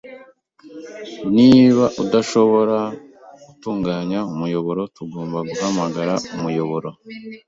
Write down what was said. Niba udashobora gutunganya umuyoboro, tugomba guhamagara umuyoboro .